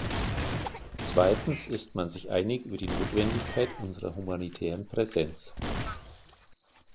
Zweitens ist man sich einig über die Notwendigkeit unserer humanitären Präsenz.